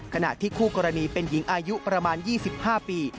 ขณะที่คู่กรณีเป็นหญิงอายุประมาณ๒๕ปี